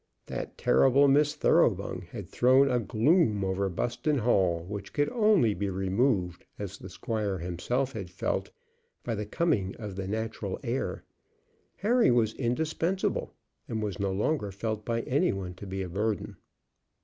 That terrible Miss Thoroughbung had thrown a gloom over Buston Hall which could only be removed, as the squire himself had felt, by the coming of the natural heir. Harry was indispensable, and was no longer felt by any one to be a burden.